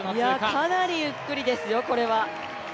かなりゆっくりですよ、これは。